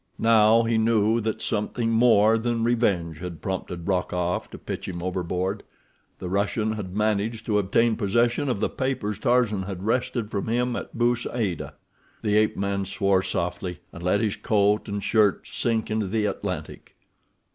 Now he knew that something more than revenge had prompted Rokoff to pitch him overboard—the Russian had managed to obtain possession of the papers Tarzan had wrested from him at Bou Saada. The ape man swore softly, and let his coat and shirt sink into the Atlantic.